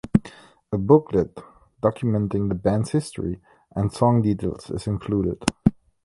A booklet documenting the band's history and song details is included.